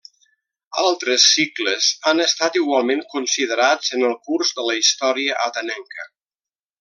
Altres cicles han estat igualment considerats en el curs de la història atenenca.